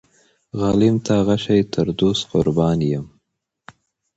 غلیم ته غشی تر دوست قربان یم.